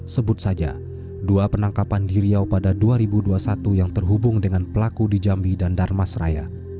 sebut saja dua penangkapan diriau pada dua ribu dua puluh satu yang terhubung dengan pelaku di jambi dan darmasraya